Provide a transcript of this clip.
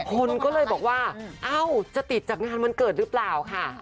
คนก็เลยบอกว่าเอ้าจะติดจากงานวันเกิดหรือเปล่าค่ะ